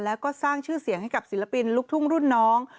แล้วก็สร้างชื่อเสียงให้กับศิลปินลูกทุ่งรุ่นน้อง